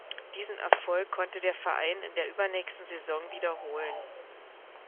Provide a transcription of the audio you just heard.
Diesen Erfolg konnte der Verein in der übernächsten Saison wiederholen.